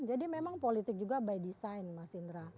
jadi memang politik juga by design mas indra